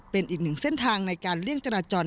เป็นอีกหนึ่งเส้นทางในการเลี่ยงจราจร